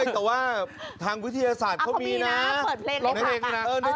แต่ว่าทางวิทยาศาสตร์เค้ามีนะ